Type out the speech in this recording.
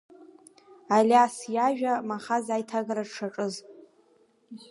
Алиас иажәа Махаз аиҭагара дшаҿыз…